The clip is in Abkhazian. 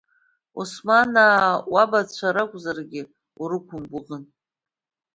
Османаа уабацәа ракәзаргьы, урықәымгәыӷын.